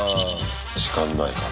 時間ないから。